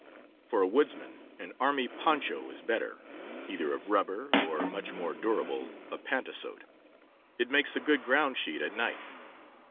For a woodsman an army poncho is better, either of rubber or (much more du rable) of pantasote. It makes a good ground sheet at night.